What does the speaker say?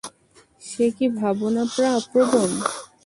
সে কি ভাবনাপ্রবণ?